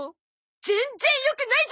全然良くないゾ！